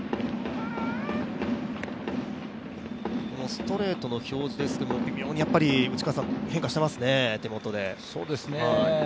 ストレートの表示ですけれども、微妙に変化していますね、手元で。